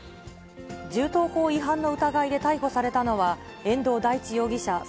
銃刀法違反の疑いで逮捕されたのは、遠藤大地容疑者